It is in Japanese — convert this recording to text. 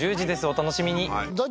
お楽しみに。